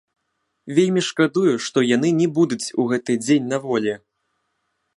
Вельмі шкадую, што яны не будуць у гэты дзень на волі.